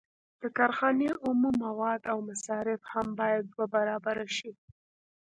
د کارخانې اومه مواد او مصارف هم باید دوه برابره شي